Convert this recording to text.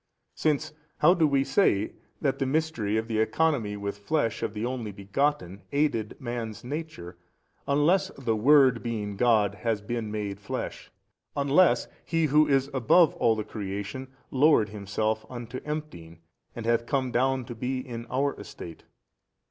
Since, how do we say that the Mystery of the Economy with flesh of the Only Begotten aided man's nature, unless the Word being God has been made flesh? unless He Who is above all the creation lowered Himself unto emptying and hath come down to be in our estate?